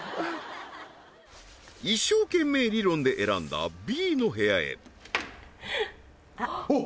一生懸命理論で選んだＢの部屋へあっおっ！